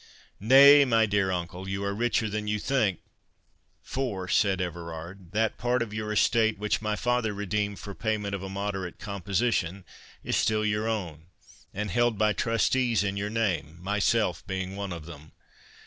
"Nay, my dear uncle, you are richer than you think for," said Everard. "That part of your estate, which my father redeemed for payment of a moderate composition, is still your own, and held by trustees in your name, myself being one of them.